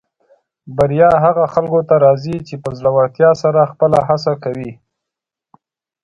بریا هغه خلکو ته راځي چې په زړۀ ورتیا سره خپله هڅه کوي.